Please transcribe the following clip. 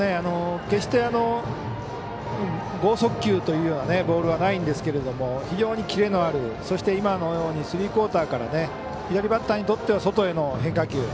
決して豪速球というようなボールはないんですけど非常にキレのあるそして今のようにスリークオーターから左バッターにとっては外への変化球。